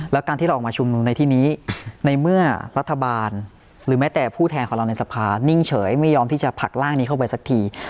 แล้วการที่เราออกมาชุมนุมในที่นี้ในเมื่อรัฐบาลหรือแม้แต่ผู้แทนของเราในสภานิ่งเฉยไม่ยอมที่จะผลักร่างนี้เข้าไปสักที